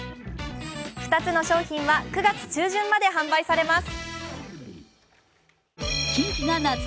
２つの商品は９月中旬まで販売されます。